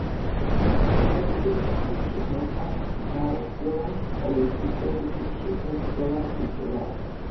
ტროპიკულ ქვეყნებში მოჰყავთ მრავალწლოვან, ხოლო სუბტროპიკულში ერთწლოვან კულტურად.